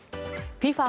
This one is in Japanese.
ＦＩＦＡ